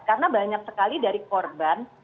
karena banyak sekali dari korban